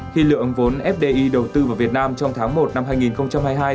khi lượng vốn fdi đầu tư vào việt nam trong tháng một năm hai nghìn hai mươi hai